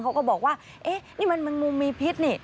เขาก็บอกว่าเอ๊ะนี่มันงูมีพิษนี่